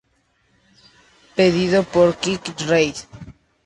Pedido por Quick Race.